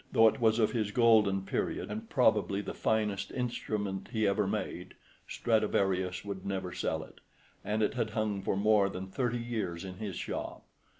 Though it was of his golden period, and probably the finest instrument he ever made, Stradivarius would never sell it, and it had hung for more than thirty years in his shop.